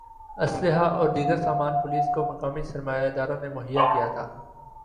ہ اسلحہ اور دیگر سامان پولیس کو مقامی سرمایہ داروں نے مہیا کیا تھا